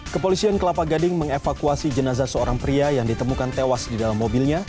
kepolisian kelapa gading mengevakuasi jenazah seorang pria yang ditemukan tewas di dalam mobilnya